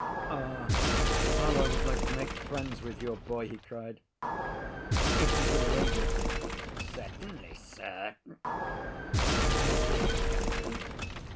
"Ah, how I would like to make friends with your boy!" he cried. "If you could arrange it—" "Certainly, sir," muttered the captain.